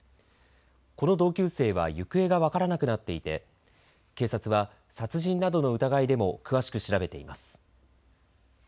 この同級生は行方が分からなくなっていて警察は殺人などの疑いでも詳しく調べています。